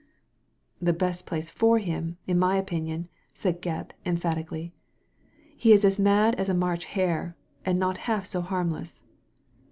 "The best place for him, in my opinion/* said Gebb, emphatically. ''He is as mad as a March hare, and not half so harmless.